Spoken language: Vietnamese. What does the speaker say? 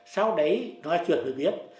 sau đấy nói chuyện với biết